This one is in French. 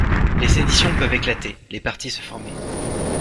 Les séditions peuvent éclater, les partis se former.